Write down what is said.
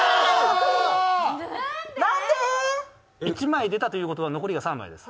１枚出たということは残りは３枚です。